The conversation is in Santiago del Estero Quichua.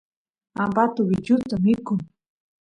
ampatu bichusta mikun